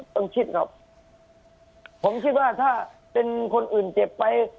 ต้องคิดหรอกผมคิดว่าถ้าเป็นคนอื่นเจ็บไป